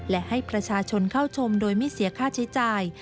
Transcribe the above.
และให้ประชาชนเข้าชมโดยไม่เสียค่าใช้จ่าย